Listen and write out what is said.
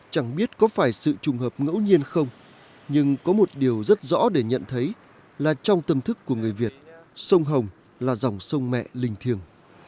chẳng biết có phải sự trùng hợp ngẫu nhiên không nhưng có một điều rất rõ để nhận thấy là trong tâm thức của người việt sông hồng là dòng sông mẹ linh thiêng